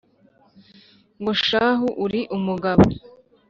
ngo shahu uri umugabo